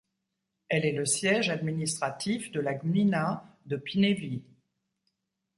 Elle est le siège administratif de la gmina de Pniewy.